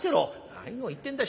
「何を言ってんだ？